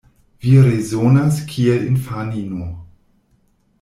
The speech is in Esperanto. Vi rezonas kiel infanino.